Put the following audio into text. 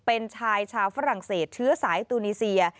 เป็นชายชาวฝรั่งเศสเชื้อสายตูนีเซีย